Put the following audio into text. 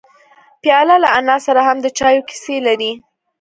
پیاله له انا سره هم د چایو کیسې لري.